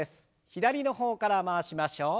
左の方から回しましょう。